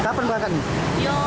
kapan berangkat ini